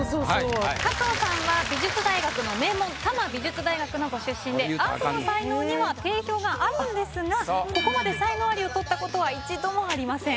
加藤さんは美術大学の名門アートの才能には定評があるんですがここまで才能アリを獲ったことは一度もありません。